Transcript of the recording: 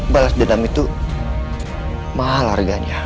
balas dendam itu mahal harganya